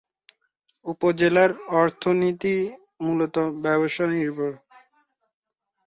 উপজেলার অর্থনীতি মূলত ব্যবসা নির্ভর।